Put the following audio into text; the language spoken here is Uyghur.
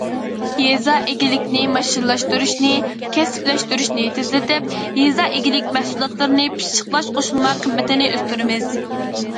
يېزا ئىگىلىكىنى ماشىنىلاشتۇرۇشنى، كەسىپلەشتۈرۈشنى تېزلىتىپ، يېزا ئىگىلىك مەھسۇلاتلىرىنى پىششىقلاش قوشۇلما قىممىتىنى ئۆستۈرىمىز.